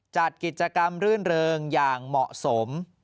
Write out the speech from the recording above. จัดกิจกรรมรื่นเริงอย่างเหมาะสม